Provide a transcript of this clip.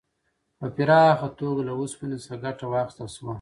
په پراخه توګه له اوسپنې څخه ګټه واخیستل شوه.